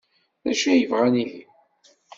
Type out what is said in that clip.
D acu ay bɣan ihi?